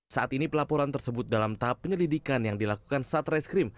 saat ini pelaporan tersebut dalam tahap penyelidikan yang dilakukan satreskrim